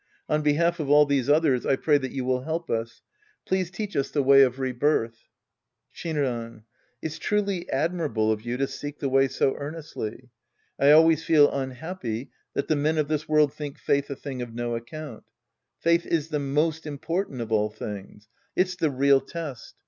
On behalf of all these others, I pray that you will help us. Please teach us the way of rebirth. Shinran.. It's truly admirable of you to seek the way so earnestly. I always feel unhappy that the men of this world think faith a thing of no account. Faith is the most important of all things. It's the real test.